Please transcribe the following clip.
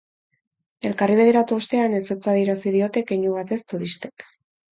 Elkarri begiratu ostean, ezetz adeirazi diote keinu batez turistek.